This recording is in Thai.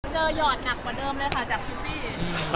หยอดหนักกว่าเดิมเลยค่ะจากชิปปี้